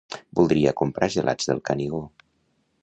Voldria comprar gelats del Canigó.